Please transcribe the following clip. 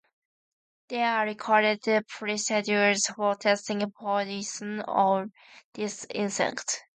There are recorded procedures for testing poison on this insect.